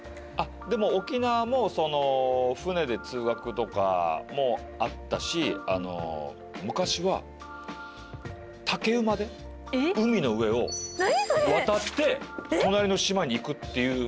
でも沖縄もその船で通学とかもあったしあの昔は竹馬で海の上を渡って隣の島に行くっていう写真とか残ってます。